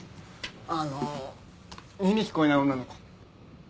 あの耳聞こえない女の子。